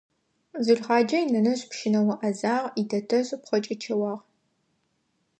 Зулхъаджэ инэнэжъ пщынэо Ӏэзагъ, итэтэжъ пхъэкӀычэуагъ.